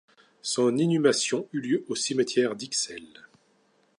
Son inhumation eut lieu au cimetière d'Ixelles.